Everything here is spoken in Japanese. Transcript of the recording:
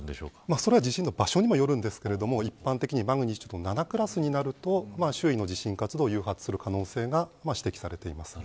それは地震の場所にもよるんですが一般的にマグニチュード７クラスになると周囲の地震活動を誘発する可能性が指摘されています。